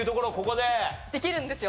できるんですよ。